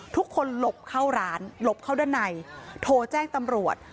ทุกคนหลบเข้าร้านหลบเข้าด้านในโทรแจ้งตำรวจ